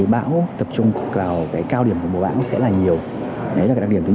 bão tập trung vào cao điểm của bộ bãng sẽ là nhiều